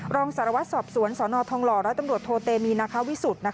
รองสารวัติศอบสวนศนทองรและตำรวจโทเตมีนาคาวิสุทธิ์